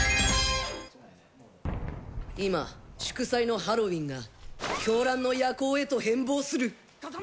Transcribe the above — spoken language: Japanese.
今、祝祭のハロウィンが狂乱の夜行へと変貌する。